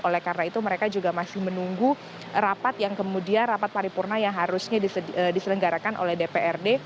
oleh karena itu mereka juga masih menunggu rapat yang kemudian rapat paripurna yang harusnya diselenggarakan oleh dprd